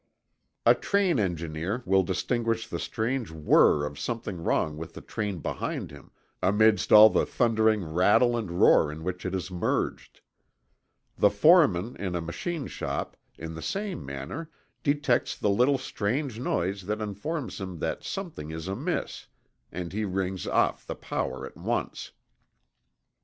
A train engineer will distinguish the strange whir of something wrong with the train behind him, amidst all the thundering rattle and roar in which it is merged. The foreman in a machine shop in the same manner detects the little strange noise that informs him that something is amiss, and he rings off the power at once.